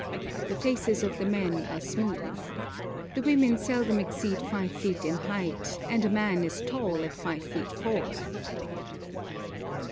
The faces of the men are smooth. The women seldom exceed five feet in height, and a man is tall at five feet four.